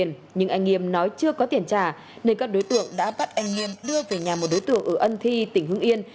nhưng anh nghiêm nói chưa có tiền trả nên các đối tượng đã bắt anh nghiêm đưa về nhà một đối tượng ở ân thi tỉnh hưng yên